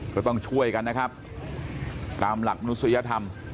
ก็ต้องช่วยกันตามหลักนุษยธรรม